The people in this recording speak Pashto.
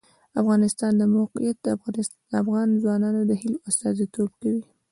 د افغانستان د موقعیت د افغان ځوانانو د هیلو استازیتوب کوي.